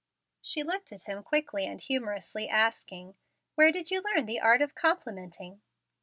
She looked at him quickly and humorously, asking, "Where did you learn the art of complimenting?"